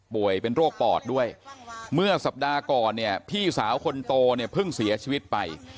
เป็นโรคปอดด้วยเมื่อสัปดาห์ก่อนเนี่ยพี่สาวคนโตเนี่ยเพิ่งเสียชีวิตไป